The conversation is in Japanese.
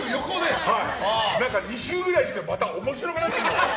２周ぐらいしてまた面白くなってきました。